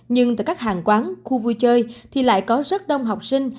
nhưng tại các hàng quán khu vui chơi thì lại có rất đông học sinh